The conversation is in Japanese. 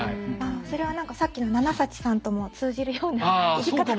それは何かさっきのナナ・サチさんとも通じるような生き方かな。